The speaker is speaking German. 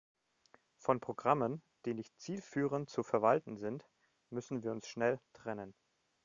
Von Programmen, die nicht zielführend zu verwalten sind, müssen wir uns schnell trennen.